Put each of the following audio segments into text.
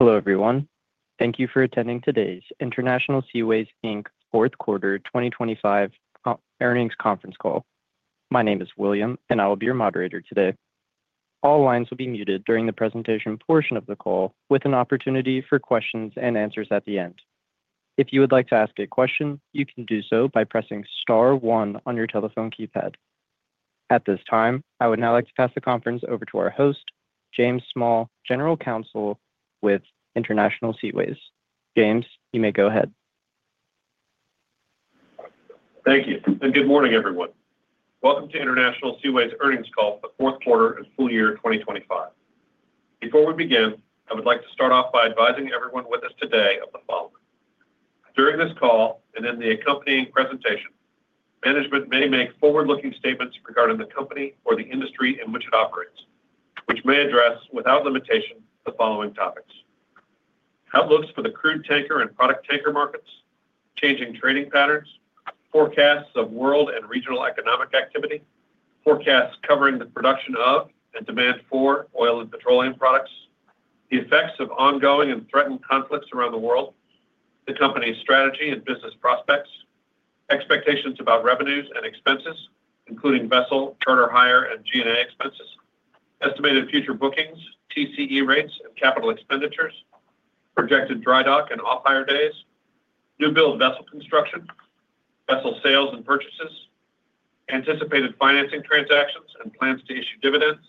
Hello, everyone. Thank you for attending today's International Seaways Inc.'s fourth quarter 2025 earnings conference call. My name is William. I will be your moderator today. All lines will be muted during the presentation portion of the call, with an opportunity for questions and answers at the end. If you would like to ask a question, you can do so by pressing star one on your telephone keypad. At this time, I would now like to pass the conference over to our host, James Small, General Counsel with International Seaways. James, you may go ahead. Thank you. Good morning, everyone. Welcome to International Seaways Earnings Call for the fourth quarter and full year 2025. Before we begin, I would like to start off by advising everyone with us today of the following. During this call and in the accompanying presentation, management may make forward-looking statements regarding the company or the industry in which it operates, which may address, without limitation, the following topics: outlooks for the crude tanker and product tanker markets, changing trading patterns, forecasts of world and regional economic activity, forecasts covering the production of and demand for oil and petroleum products, the effects of ongoing and threatened conflicts around the world, the company's strategy and business prospects, expectations about revenues and expenses, including vessel, charter hire, and G&A expenses, estimated future bookings, TCE rates, and capital expenditures, projected dry dock and off-hire days, new build vessel construction, vessel sales and purchases, anticipated financing transactions and plans to issue dividends,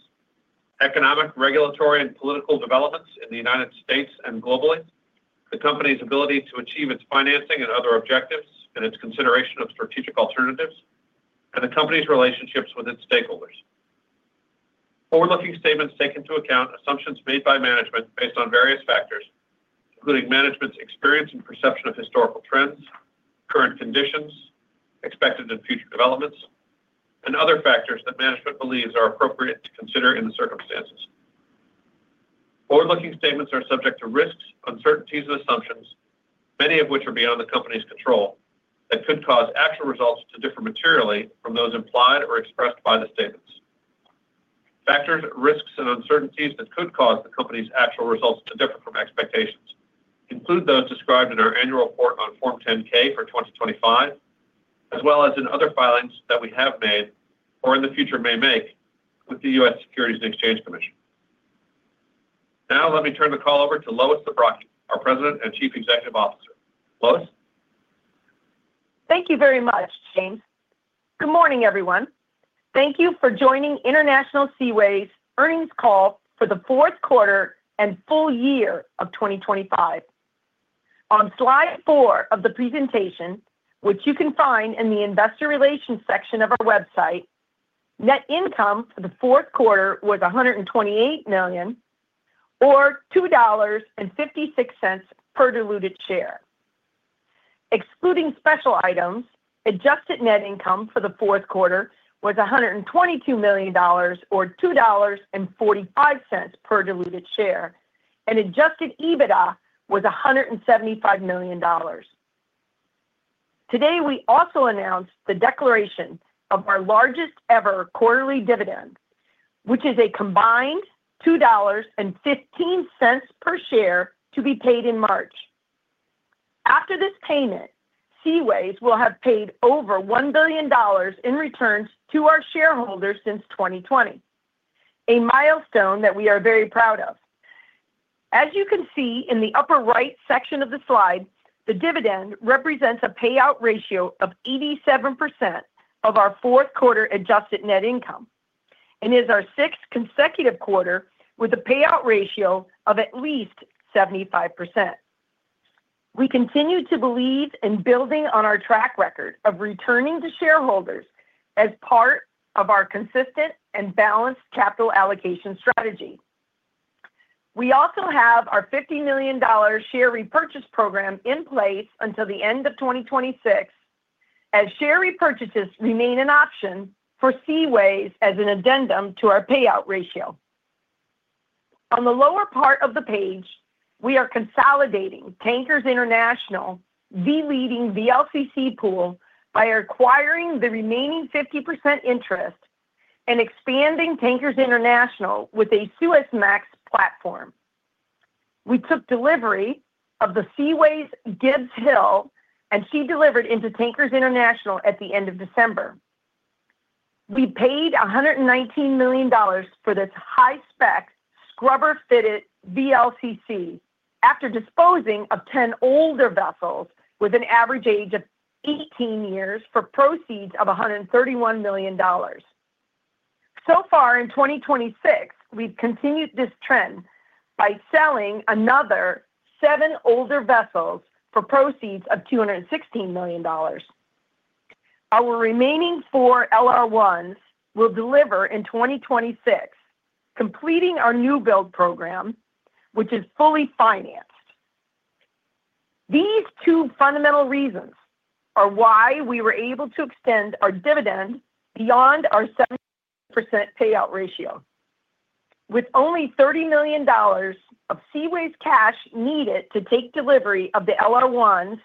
economic, regulatory, and political developments in the United States and globally, the company's ability to achieve its financing and other objectives and its consideration of strategic alternatives, and the company's relationships with its stakeholders. Forward-looking statements take into account assumptions made by management based on various factors, including management's experience and perception of historical trends, current conditions, expected and future developments, and other factors that management believes are appropriate to consider in the circumstances. Forward-looking statements are subject to risks, uncertainties and assumptions, many of which are beyond the company's control, that could cause actual results to differ materially from those implied or expressed by the statements. Factors, risks, and uncertainties that could cause the company's actual results to differ from expectations include those described in our annual report on Form 10-K for 2025, as well as in other filings that we have made or in the future may make with the U.S. Securities and Exchange Commission. Now, let me turn the call over to Lois Zabrocky, our President and Chief Executive Officer. Lois? Thank you very much, James. Good morning, everyone. Thank you for joining International Seaways' earnings call for the fourth quarter and full year of 2025. On slide four of the presentation, which you can find in the Investor Relations section of our website, net income for the fourth quarter was $128 million or $2.56 per diluted share. Excluding special items, adjusted net income for the fourth quarter was $122 million or $2.45 per diluted share, and adjusted EBITDA was $175 million. Today, we also announced the declaration of our largest-ever quarterly dividend, which is a combined $2.15 per share to be paid in March. After this payment, Seaways will have paid over $1 billion in returns to our shareholders since 2020, a milestone that we are very proud of. As you can see in the upper right section of the slide, the dividend represents a payout ratio of 87% of our fourth quarter adjusted net income and is our sixth consecutive quarter with a payout ratio of at least 75%. We continue to believe in building on our track record of returning to shareholders as part of our consistent and balanced capital allocation strategy. We also have our $50 million share repurchase program in place until the end of 2026, as share repurchases remain an option for Seaways as an addendum to our payout ratio. On the lower part of the page, we are consolidating Tankers International, the leading VLCC pool, by acquiring the remaining 50% interest and expanding Tankers International with a Suezmax platform. We took delivery of the Seaways Gibbs Hill, and she delivered into Tankers International at the end of December. We paid $119 million for this high-spec, scrubber-fitted VLCC after disposing of 10 older vessels with an average age of 18 years for proceeds of $131 million. So far in 2026, we've continued this trend by selling another seven older vessels for proceeds of $216 million. Our remaining four LR1s will deliver in 2026, completing our new build program, which is fully financed. These two fundamental reasons are why we were able to extend our dividend beyond our 70% payout ratio. With only $30 million of Seaways cash needed to take delivery of the LR1s.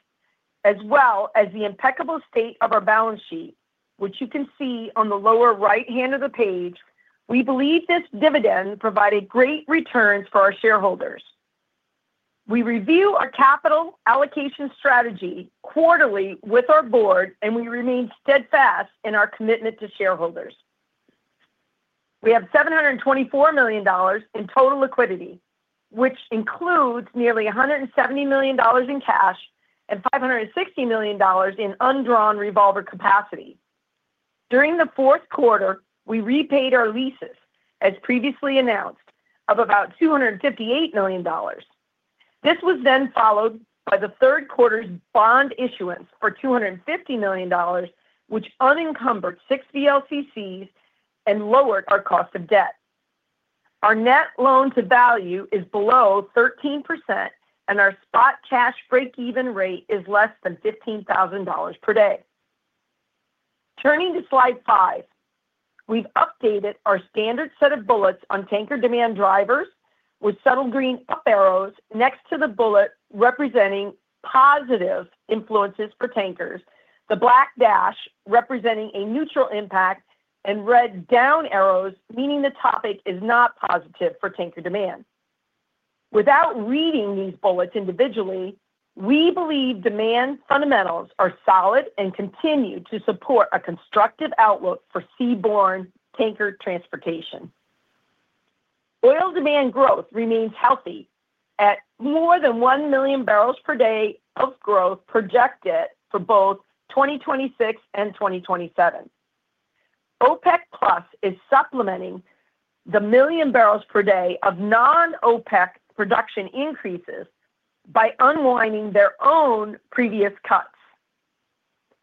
As well as the impeccable state of our balance sheet, which you can see on the lower right-hand of the page, we believe this dividend provided great returns for our shareholders. We review our capital allocation strategy quarterly with our board, and we remain steadfast in our commitment to shareholders. We have $724 million in total liquidity, which includes nearly $170 million in cash and $560 million in undrawn revolver capacity. During the fourth quarter, we repaid our leases, as previously announced, of about $258 million. This was followed by the third quarter's bond issuance for $250 million, which unencumbered six VLCCs and lowered our cost of debt. Our net loan to value is below 13%. Our spot cash break-even rate is less than $15,000 per day. Turning to slide five, we've updated our standard set of bullets on tanker demand drivers with subtle green up arrows next to the bullet, representing positive influences for tankers, the black dash representing a neutral impact, and red down arrows, meaning the topic is not positive for tanker demand. Without reading these bullets individually, we believe demand fundamentals are solid and continue to support a constructive outlook for seaborne tanker transportation. Oil demand growth remains healthy at more than 1 million barrels per day of growth projected for both 2026 and 2027. OPEC+ is supplementing the million barrels per day of non-OPEC production increases by unwinding their own previous cuts.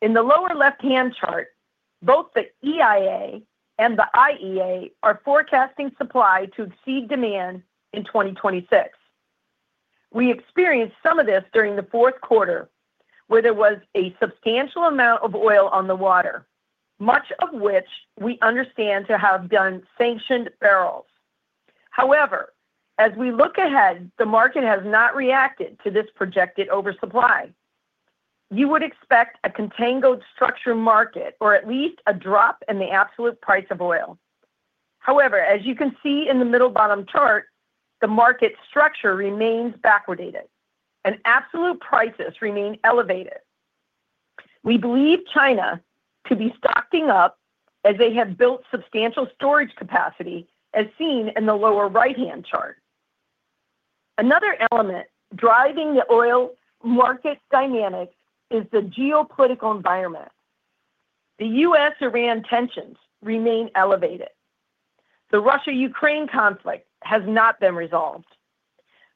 In the lower left-hand chart, both the EIA and the IEA are forecasting supply to exceed demand in 2026. We experienced some of this during the fourth quarter, where there was a substantial amount of oil on the water, much of which we understand to have been sanctioned barrels. As we look ahead, the market has not reacted to this projected oversupply. You would expect a contangoed structure market or at least a drop in the absolute price of oil. As you can see in the middle bottom chart, the market structure remains backwardated, and absolute prices remain elevated. We believe China to be stocking up as they have built substantial storage capacity, as seen in the lower right-hand chart. Another element driving the oil market dynamics is the geopolitical environment. The U.S.-Iran tensions remain elevated. The Russia-Ukraine conflict has not been resolved.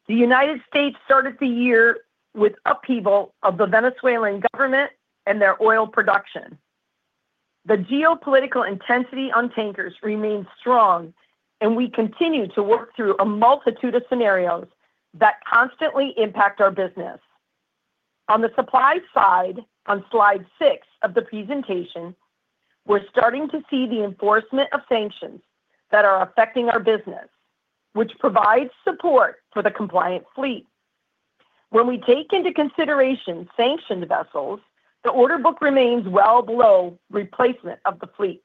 The United States started the year with upheaval of the Venezuelan government and their oil production. The geopolitical intensity on tankers remains strong, and we continue to work through a multitude of scenarios that constantly impact our business. On the supply side, on slide six of the presentation, we're starting to see the enforcement of sanctions that are affecting our business, which provides support for the compliant fleet. When we take into consideration sanctioned vessels, the order book remains well below replacement of the fleet.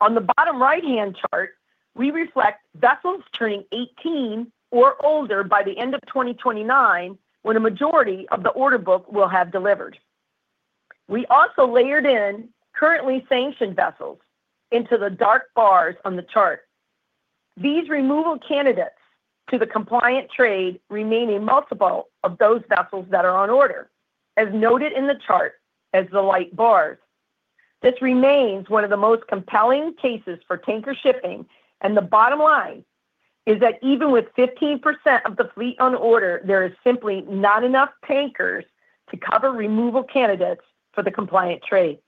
On the bottom right-hand chart, we reflect vessels turning 18 or older by the end of 2029, when a majority of the order book will have delivered. We also layered in currently sanctioned vessels into the dark bars on the chart. These removal candidates to the compliant trade remain a multiple of those vessels that are on order, as noted in the chart as the light bars. This remains one of the most compelling cases for tanker shipping. The bottom line is that even with 15% of the fleet on order, there is simply not enough tankers to cover removal candidates for the compliant trade.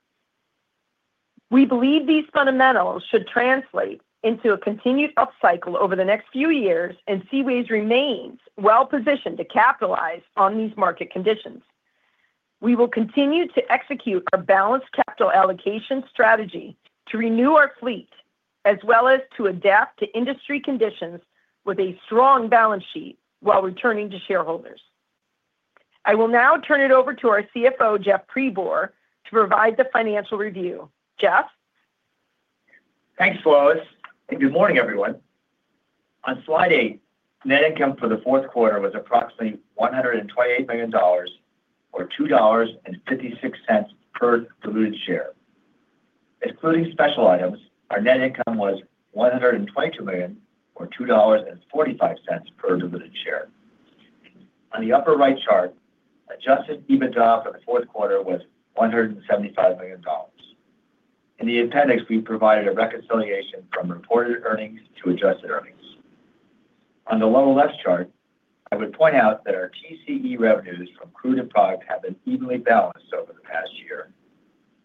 We believe these fundamentals should translate into a continued upcycle over the next few years. Seaways remains well-positioned to capitalize on these market conditions. We will continue to execute our balanced capital allocation strategy to renew our fleet, as well as to adapt to industry conditions with a strong balance sheet while returning to shareholders. I will now turn it over to our CFO, Jeff Pribor, to provide the financial review. Jeff? Thanks, Lois. Good morning, everyone. On slide eight, net income for the fourth quarter was approximately $128 million or $2.56 per diluted share. Including special items, our net income was $122 million or $2.45 per diluted share. On the upper right chart, adjusted EBITDA for the fourth quarter was $175 million. In the appendix, we provided a reconciliation from reported earnings to adjusted earnings. On the lower left chart, I would point out that our TCE revenues from crude and product have been evenly balanced over the past year.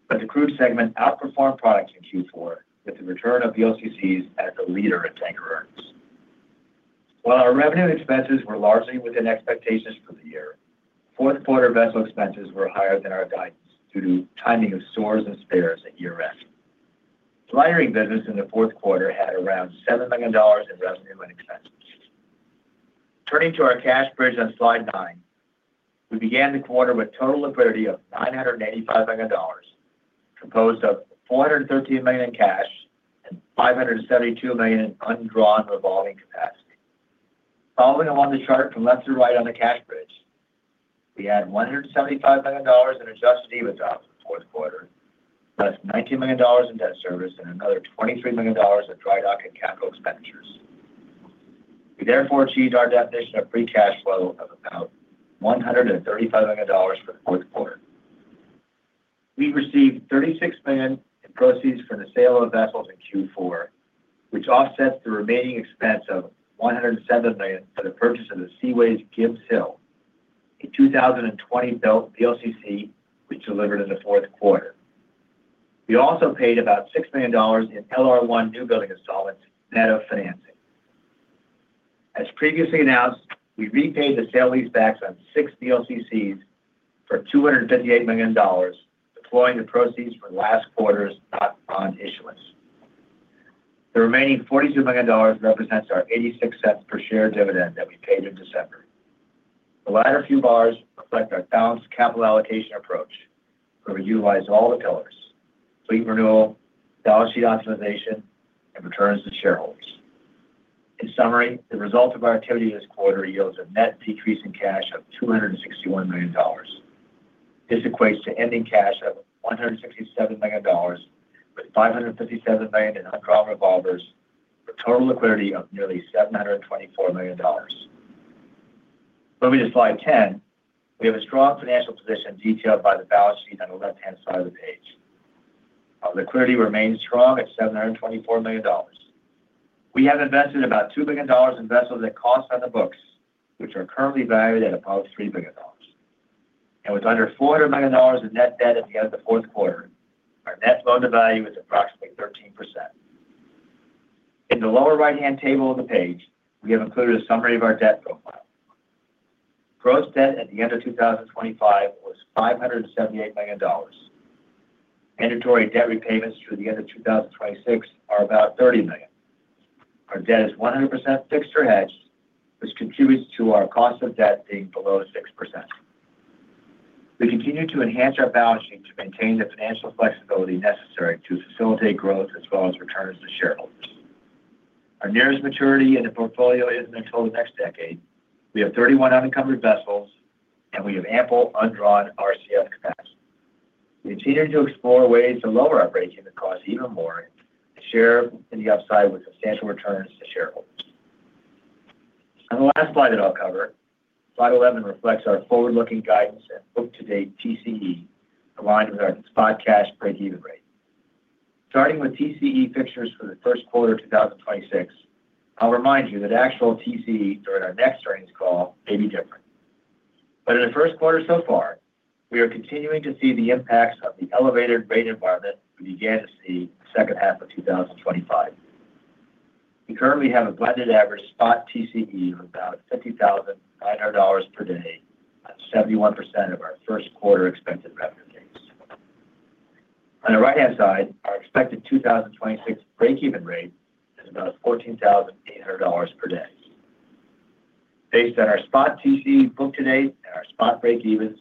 The crude segment outperformed products in Q4, with the return of VLCCs as the leader in tanker earnings. While our revenue expenses were largely within expectations for the year, fourth-quarter vessel expenses were higher than our guidance due to timing of stores and spares at year-end. Dry-docking business in the fourth quarter had around $7 million in revenue and expenses. Turning to our cash bridge on slide nine. We began the quarter with total liquidity of $985 million, composed of $413 million in cash and $572 million in undrawn revolving capacity. Following along the chart from left to right on the cash bridge, we had $175 million in adjusted EBITDA for the fourth quarter, plus $19 million in debt service and another $23 million of dry dock and capital expenditures. We therefore achieved our definition of free cash flow of about $135 million for the fourth quarter. We received $36 million in proceeds from the sale of vessels in Q4, which offsets the remaining expense of $107 million for the purchase of the Seaways Gibbs Hill, a 2020-built VLCC, which delivered in the fourth quarter. We also paid about $6 million in LR1 newbuilding installments, net of financing. As previously announced, we repaid the sale-leasebacks on six VLCCs for $258 million, deploying the proceeds from last quarter's bond issuance. The remaining $42 million represents our $0.86 per share dividend that we paid in December. The latter few bars reflect our balanced capital allocation approach, where we utilize all the pillars: fleet renewal, balance sheet optimization, and returns to shareholders. In summary, the result of our activity this quarter yields a net decrease in cash of $261 million. This equates to ending cash of $167 million, with $557 million in undrawn revolvers, for total liquidity of nearly $724 million. Moving to slide 10, we have a strong financial position detailed by the balance sheet on the left-hand side of the page. Our liquidity remains strong at $724 million. We have invested about $2 billion in vessels at cost on the books, which are currently valued at about $3 billion. With under $400 million in net debt at the end of the fourth quarter, our net loan-to-value is approximately 13%. In the lower right-hand table of the page, we have included a summary of our debt profile. Gross debt at the end of 2025 was $578 million. Mandatory debt repayments through the end of 2026 are about $30 million. Our debt is 100% fixed or hedged, which contributes to our cost of debt being below 6%. We continue to enhance our balance sheet to maintain the financial flexibility necessary to facilitate growth as well as returns to shareholders. Our nearest maturity in the portfolio isn't until the next decade. We have 31 unencumbered vessels, and we have ample undrawn RCF capacity. We continue to explore ways to lower our breakeven costs even more and share in the upside with substantial returns to shareholders. The last slide that I'll cover, slide 11, reflects our forward-looking guidance and book-to-date TCE, aligned with our spot cash breakeven rate. Starting with TCE fixtures for the first quarter of 2026, I'll remind you that actual TCE during our next earnings call may be different. In the first quarter so far, we are continuing to see the impacts of the elevated rate environment we began to see in the second half of 2025. We currently have a blended average spot TCE of about $50,900 per day, at 71% of our first quarter expected revenue days. On the right-hand side, our expected 2026 breakeven rate is about $14,800 per day. Based on our spot TCE book to date and our spot breakevens,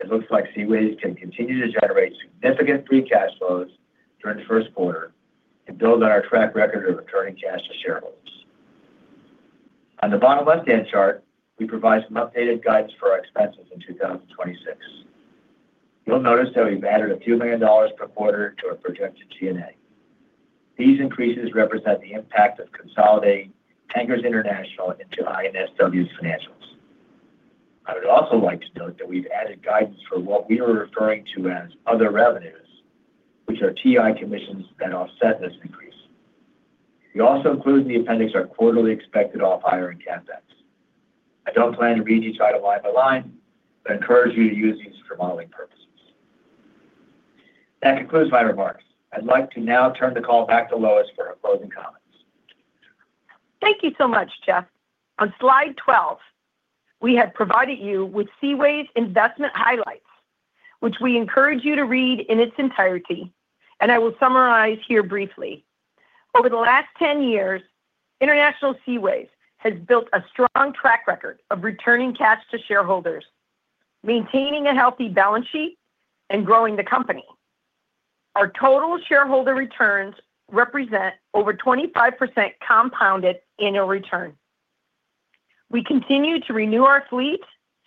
it looks like Seaways can continue to generate significant free cash flows during the first quarter and build on our track record of returning cash to shareholders. On the bottom left-hand chart, we provide some updated guidance for our expenses in 2026. You'll notice that we've added a few million dollars per quarter to our projected G&A. These increases represent the impact of consolidating Tankers International into INSW's financials. I would also like to note that we've added guidance for what we are referring to as other revenues, which are TI commissions that offset this increase. We also include in the appendix our quarterly expected off-hiring CapEx. I don't plan to read each item line by line, but I encourage you to use these for modeling purposes. That concludes my remarks. I'd like to now turn the call back to Lois for her closing comments. Thank you so much, Jeff. On slide 12, we have provided you with Seaways' investment highlights, which we encourage you to read in its entirety, and I will summarize here briefly. Over the last 10 years, International Seaways has built a strong track record of returning cash to shareholders, maintaining a healthy balance sheet, and growing the company. Our total shareholder returns represent over 25% compounded annual return. We continue to renew our fleet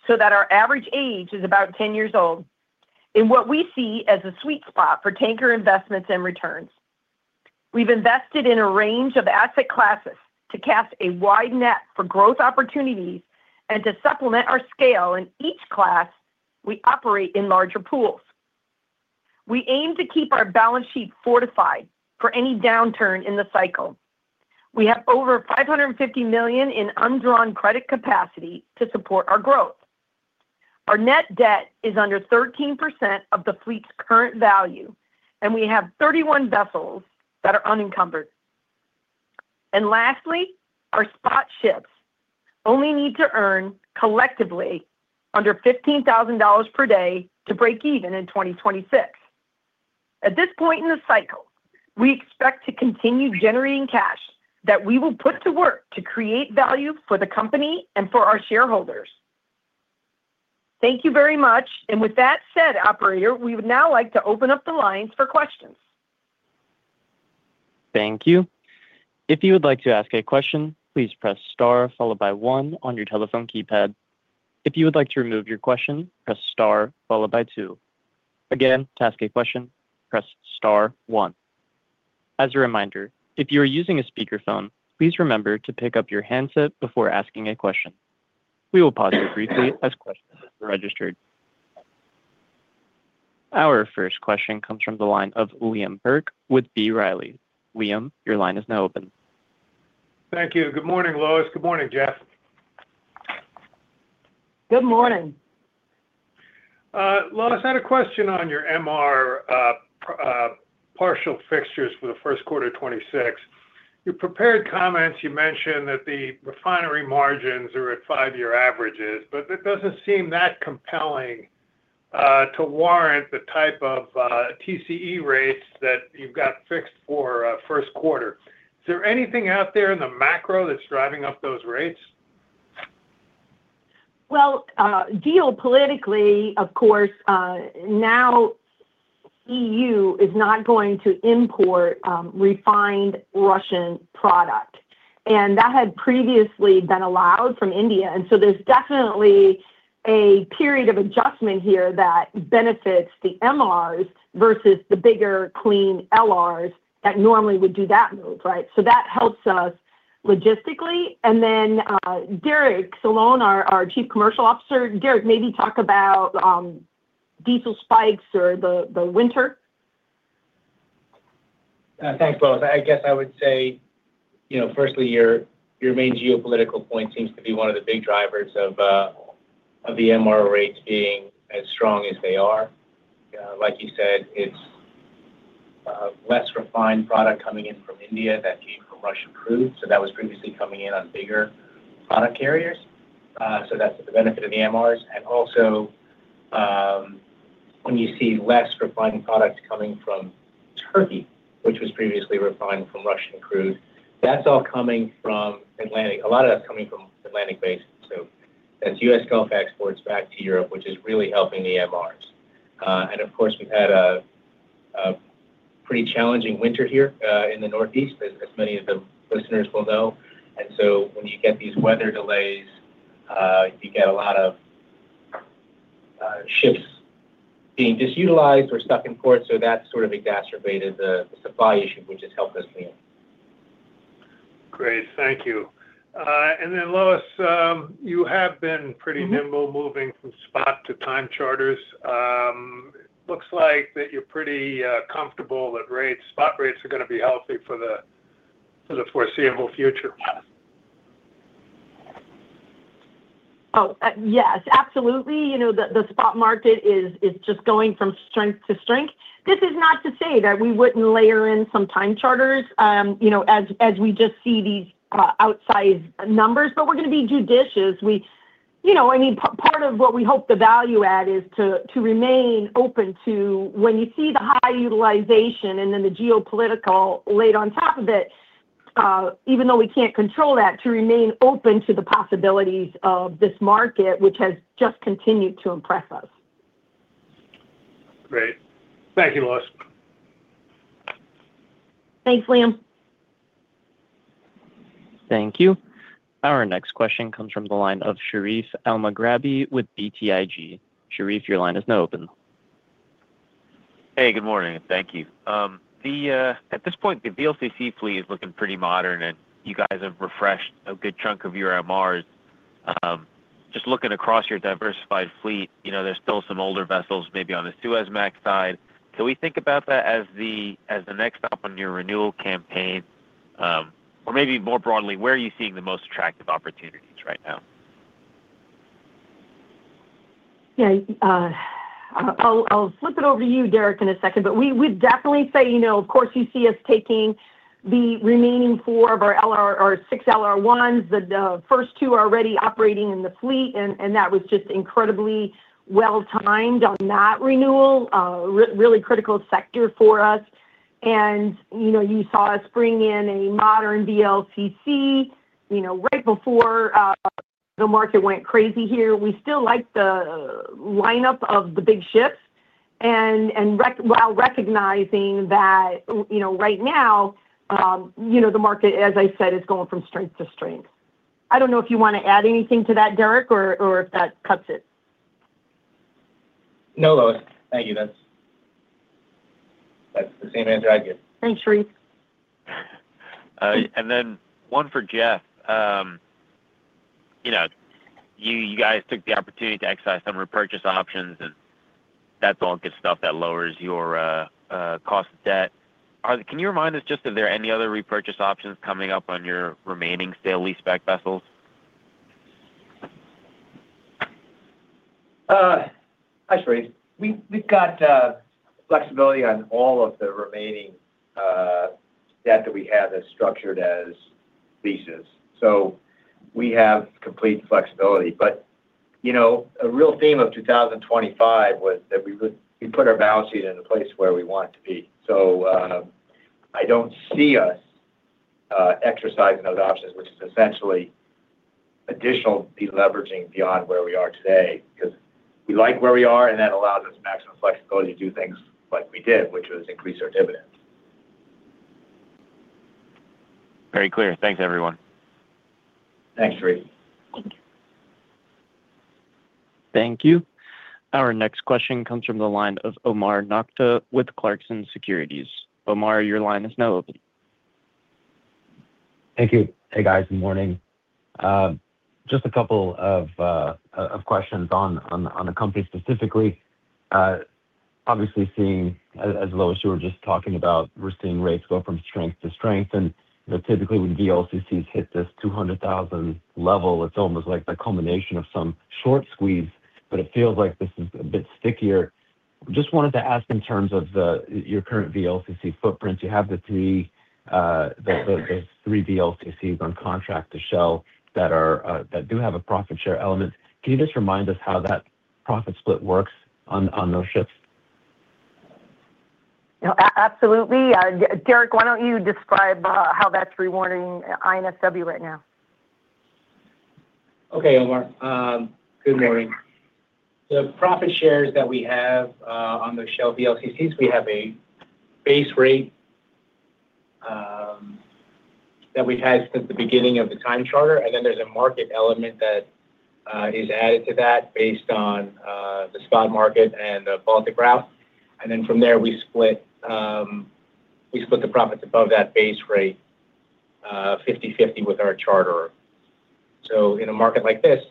so that our average age is about 10 years old, in what we see as a sweet spot for tanker investments and returns. We've invested in a range of asset classes to cast a wide net for growth opportunities and to supplement our scale in each class we operate in larger pools. We aim to keep our balance sheet fortified for any downturn in the cycle. We have over $550 million in undrawn credit capacity to support our growth. Our net debt is under 13% of the fleet's current value. We have 31 vessels that are unencumbered. Lastly, our spot ships only need to earn collectively under $15,000 per day to break even in 2026. At this point in the cycle, we expect to continue generating cash that we will put to work to create value for the company and for our shareholders. Thank you very much. With that said, operator, we would now like to open up the lines for questions. Thank you. If you would like to ask a question, please press star followed by one on your telephone keypad. If you would like to remove your question, press star followed by two. Again, to ask a question, press star one. As a reminder, if you are using a speakerphone, please remember to pick up your handset before asking a question. We will pause you briefly as questions are registered. Our first question comes from the line of Liam Burke with B. Riley. Liam, your line is now open. Thank you. Good morning, Lois. Good morning, Jeff. Good morning. Lois, I had a question on your MR partial fixtures for the first quarter of 2026. Your prepared comments, you mentioned that the refinery margins are at five-year averages, but it doesn't seem that compelling to warrant the type of TCE rates that you've got fixed for first quarter. Is there anything out there in the macro that's driving up those rates? Geopolitically, of course, now E.U. is not going to import refined Russian product, that had previously been allowed from India. There's definitely a period of adjustment here that benefits the MRs versus the bigger, clean LR that normally would do that move, right? That helps us logistically. Derek Solon, our Chief Commercial Officer, Derek, maybe talk about diesel spikes or the winter. Thanks, Lois. I guess I would say, you know, firstly, your main geopolitical point seems to be one of the big drivers of the MR rates being as strong as they are. Like you said, it's less refined product coming in from India that came from Russian crude, that was previously coming in on bigger product carriers. That's the benefit of the MRs. Also, when you see less refined product coming from Turkey, which was previously refined from Russian crude, that's all coming from Atlantic. A lot of that's coming from Atlantic Basin, that's U.S. Gulf exports back to Europe, which is really helping the MRs. Of course, we've had a pretty challenging winter here in the Northeast, as many of the listeners will know. When you get these weather delays, you get a lot of ships being disutilized or stuck in port, so that's sort of exacerbated the supply issue, which has helped us clean. Great, thank you. Lois, you have been pretty nimble moving from spot to time charters. Looks like that you're pretty comfortable that rates, spot rates are gonna be healthy for the foreseeable future. Yes, absolutely. You know, the spot market is just going from strength to strength. This is not to say that we wouldn't layer in some time charters, you know, as we just see these outsized numbers, but we're gonna be judicious. You know, I mean, part of what we hope the value add is to remain open to when you see the high utilization and then the geopolitical laid on top of it, even though we can't control that, to remain open to the possibilities of this market, which has just continued to impress us. Great. Thank you, Lois. Thanks, Liam. Thank you. Our next question comes from the line of Sherif Elmaghrabi with BTIG. Sherif, your line is now open. Hey, good morning, thank you. At this point, the VLCC fleet is looking pretty modern, you guys have refreshed a good chunk of your MRs. Just looking across your diversified fleet, you know, there's still some older vessels maybe on the Suezmax side. Do we think about that as the next stop on your renewal campaign? Maybe more broadly, where are you seeing the most attractive opportunities right now? I'll flip it over to you, Derek, in a second, but we'd definitely say, you know, of course, you see us taking the remaining four of our LR or six LR1s. The first two are already operating in the fleet, and that was just incredibly well-timed on that renewal. Really critical sector for us. You know, you saw us bring in a modern VLCC, you know, right before the market went crazy here. We still like the lineup of the big ships and, while recognizing that, you know, right now, you know, the market, as I said, is going from strength to strength. I don't know if you want to add anything to that, Derek, or if that cuts it. No, Lois. Thank you. That's the same answer I'd give. Thanks, Sherif. Then one for Jeff. You know, you guys took the opportunity to exercise some repurchase options, and that's all good stuff that lowers your cost of debt. Can you remind us just if there are any other repurchase options coming up on your remaining sale-leaseback vessels? Hi, Sherif. We've got flexibility on all of the remaining debt that we have that's structured as leases. We have complete flexibility. You know, a real theme of 2025 was that we put our balance sheet in a place where we want it to be. I don't see us exercising those options, which is essentially additional deleveraging beyond where we are today, 'cause we like where we are, and that allows us maximum flexibility to do things like we did, which was increase our dividend. Very clear. Thanks, everyone. Thanks, Sherif. Thank you. Our next question comes from the line of Omar Nokta with Clarksons Securities. Omar, your line is now open. Thank you. Hey, guys, good morning. Just a couple of questions on the company specifically. Obviously, seeing as Lois, you were just talking about, we're seeing rates go from strength to strength, you know, typically when VLCCs hit this $200,000 level, it's almost like the culmination of some short squeeze, it feels like this is a bit stickier. Just wanted to ask in terms of your current VLCC footprint, you have the three VLCCs on contract to Shell that do have a profit share element. Can you just remind us how that profit split works on those ships? Yeah, absolutely. Derek, why don't you describe how that's rewarding INSW right now? Okay, Omar. Good morning. The profit shares that we have on the Shell VLCCs, we have a base rate that we've had since the beginning of the time charter. There's a market element that is added to that based on the spot market and the Baltic route. From there, we split the profits above that base rate 50/50 with our charterer. In a market like this,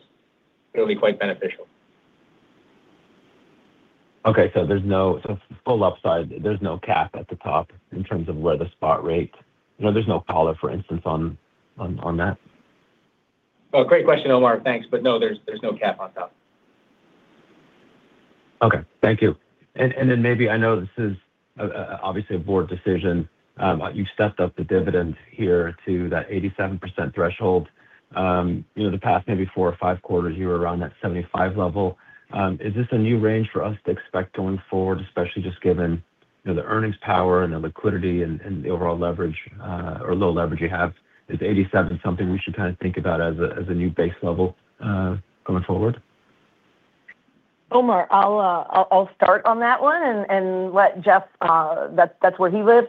it'll be quite beneficial. Okay, full upside, there's no cap at the top in terms of where the spot rate, you know, there's no collar, for instance, on that? Oh, great question, Omar. Thanks. No, there's no cap on top. Okay, thank you. Then maybe I know this is, obviously, a board decision, but you've stepped up the dividend here to that 87% threshold. You know, the past maybe four or five quarters, you were around that 75%level. Is this a new range for us to expect going forward, especially just given, you know, the earnings power and the liquidity and the overall leverage, or low leverage you have? Is 87% something we should kind of think about as a, as a new base level, going forward? Omar, I'll start on that one and let Jeff, that's where he lives.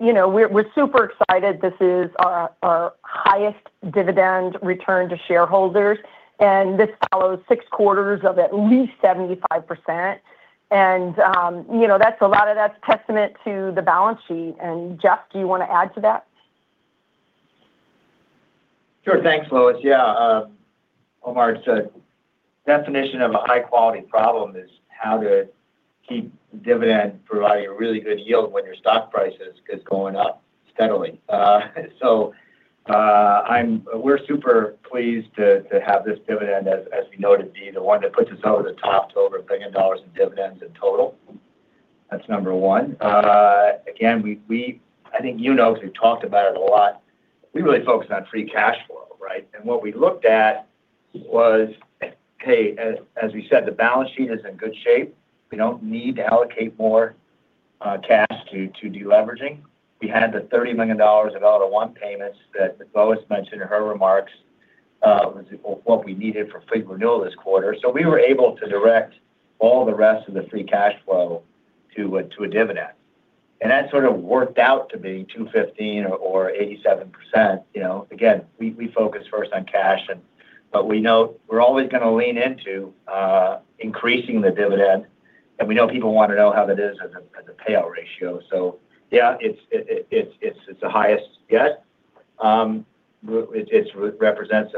You know, we're super excited. This is our highest dividend return to shareholders, and this follows six quarters of at least 75%. You know, that's testament to the balance sheet. Jeff, do you want to add to that? Sure. Thanks, Lois. Yeah, Omar, it's a definition of a high-quality problem is how to keep dividend providing a really good yield when your stock price is going up steadily. We're super pleased to have this dividend, as we know it, to be the one that puts us over the top to over $1 billion in dividends in total. That's number one. Again, I think you know, because we've talked about it a lot, we really focus on free cash flow, right? What we looked at was, hey, as we said, the balance sheet is in good shape. We don't need to allocate more cash to deleveraging. We had the $30 million of LR1 payments that Lois mentioned in her remarks, as what we needed for fleet renewal this quarter. We were able to direct all the rest of the free cash flow to a dividend. That sort of worked out to be $2.15 or 87%. You know, again, we focus first on cash, and, but we know we're always going to lean into increasing the dividend, and we know people want to know how that is as a payout ratio. Yeah, it's the highest yet. It represents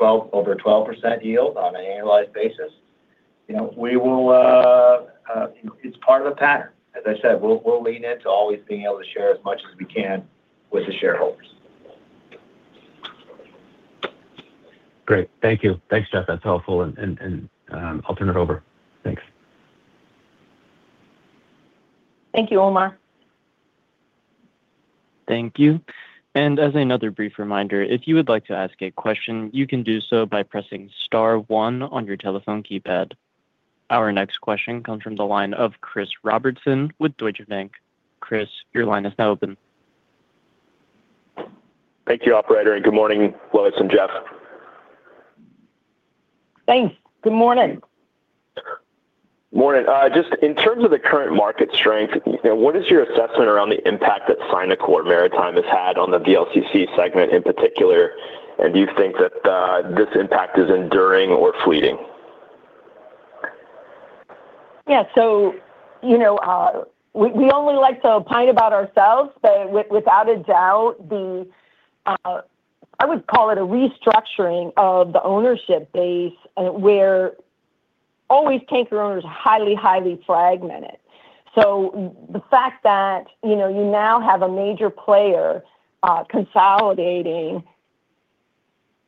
over 12% yield on an annualized basis. You know, we will, it's part of a pattern. As I said, we'll lean in to always being able to share as much as we can with the shareholders. Great. Thank you. Thanks, Jeff. That's helpful, and I'll turn it over. Thanks. Thank you, Omar. Thank you. As another brief reminder, if you would like to ask a question, you can do so by pressing star one on your telephone keypad. Our next question comes from the line of Chris Robertson with Deutsche Bank. Chris, your line is now open. Thank you, operator, and good morning, Lois and Jeff. Thanks. Good morning. Morning. Just in terms of the current market strength, you know, what is your assessment around the impact that Sinokor Merchant Marine has had on the VLCC segment in particular? Do you think that this impact is enduring or fleeting? So you know, we only like to opine about ourselves, but without a doubt, the, I would call it a restructuring of the ownership base, where always tanker owners are highly fragmented. The fact that, you know, you now have a major player, consolidating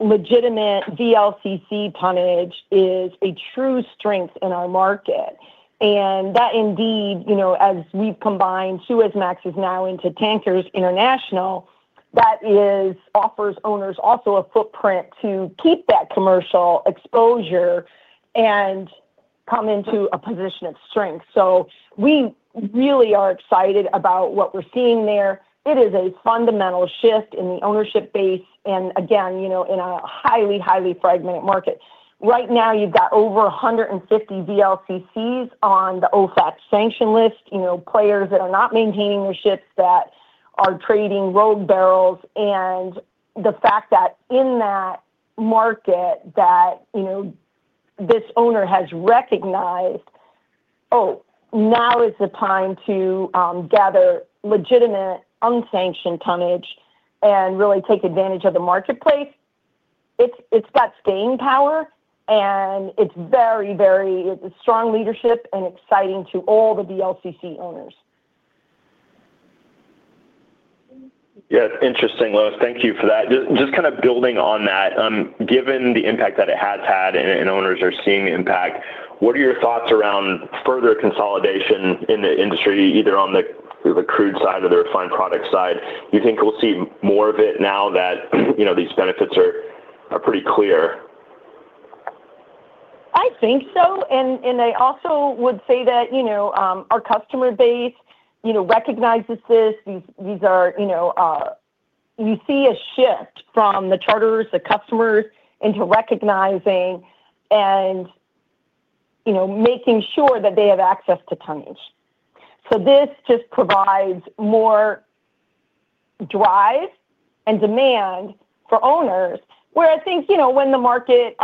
legitimate VLCC tonnage is a true strength in our market. That indeed, you know, as we've combined, Suezmax is now into Tankers International, that is, offers owners also a footprint to keep that commercial exposure and come into a position of strength. We really are excited about what we're seeing there. It is a fundamental shift in the ownership base, and again, you know, in a highly fragmented market. Right now, you've got over 150 VLCCs on the OFAC sanction list, you know, players that are not maintaining their ships, that are trading rogue barrels. The fact that in that market that, you know, this owner has recognized, "Oh, now is the time to gather legitimate, unsanctioned tonnage and really take advantage of the marketplace," it's got staying power, and it's a strong leadership and exciting to all the VLCC owners. Yeah, interesting, Lois. Thank you for that. Just kind of building on that, given the impact that it has had and owners are seeing impact, what are your thoughts around further consolidation in the industry, either on the crude side or the refined product side? You think we'll see more of it now that, you know, these benefits are pretty clear? I think so, and I also would say that, you know, our customer base, you know, recognizes this. These are, you know, you see a shift from the charterers, the customers into recognizing and, you know, making sure that they have access to tonnage. This just provides more drive and demand for owners, where I think, you know, when the market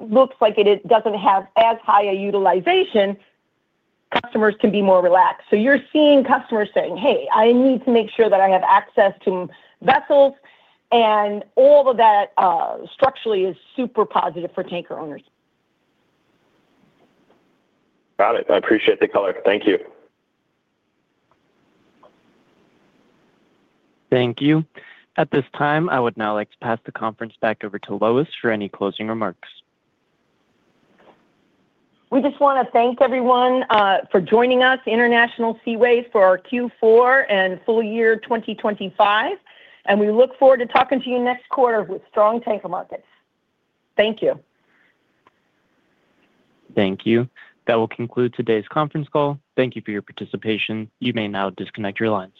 looks like it doesn't have as high a utilization, customers can be more relaxed. You're seeing customers saying, "Hey, I need to make sure that I have access to vessels," and all of that structurally, is super positive for tanker owners. Got it. I appreciate the color. Thank you. Thank you. At this time, I would now like to pass the conference back over to Lois for any closing remarks. We just wanna thank everyone, for joining us, International Seaways, for our Q4 and full year 2025. We look forward to talking to you next quarter with strong tanker markets. Thank you. Thank you. That will conclude today's conference call. Thank you for your participation. You may now disconnect your lines.